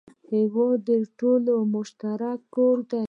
هېواد د ټولو مشترک کور دی.